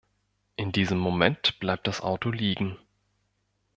In diesem Moment bleibt das Auto liegen.